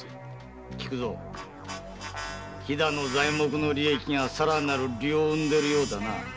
喜久造飛の材木の利益が更なる利を生んでるようだな。